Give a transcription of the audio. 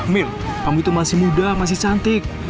mil kamu itu masih muda masih cantik